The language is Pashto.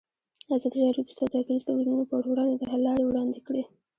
ازادي راډیو د سوداګریز تړونونه پر وړاندې د حل لارې وړاندې کړي.